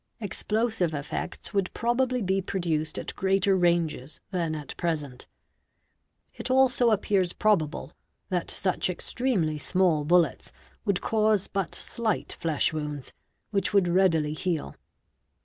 Explosive effects would _ probably be produced at greater ranges than at present. It also appears _ probable that such extremely small bullets would cause but slight flesh wounds, which would readily heal."